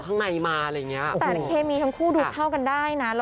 ก็ให้มันอินกับบทบาทนะ